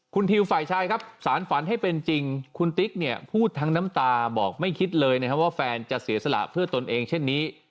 คุณทิวฝ่ายชายครับสารฝันให้เป็นจริงคุณติ๊กเนี่ยพูดทั้งน้ำตาบอกไม่คิดเลยนะครับว่าแฟนจะเสียสละเพื่อตนเองเช่นนี้